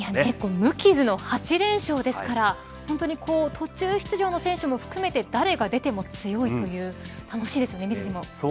無傷の８連勝ですから途中出場の選手も含めて誰が出ても強いという話ですよね。